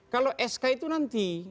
kalau sk itu nanti